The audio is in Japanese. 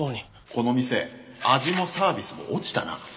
この店味もサービスも落ちたな。